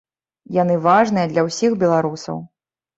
Яны важныя для ўсіх беларусаў.